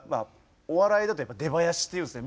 お笑いだとやっぱり出囃子っていうんですね。